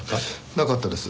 なかったです。